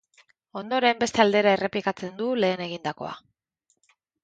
Ondoren beste aldera errepikatzen du lehen egindakoa.